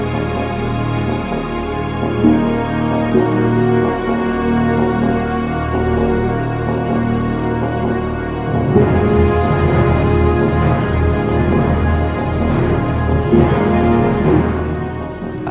aku akan mencobanya